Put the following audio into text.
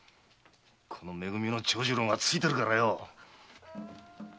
このめ組の長次郎がついてるからよ！